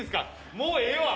もうええわ！